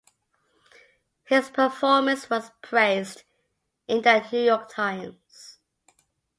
His performance was praised in the New York Times.